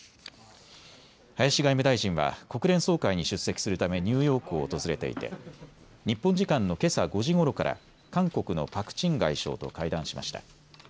林外務大臣は国連総会に出席するためニューヨークを訪れていて日本時間のけさ５時ごろから韓国のパク・チン外相と会談しました。